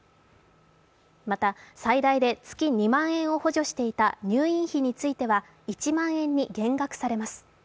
また、最大で月２万円を補助していた入院費については１万円に減額されます。